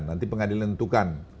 nanti pengadilan tentukan